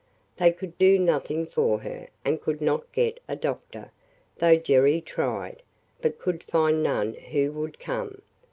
They could do nothing for her and could not get a doctor, though Jerry tried, but could find none who would come.